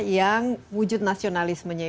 yang wujud nasionalismenya